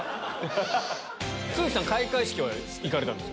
都筑さん開会式は行かれたんですもんね。